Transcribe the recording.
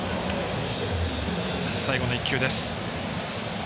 最後の１球です。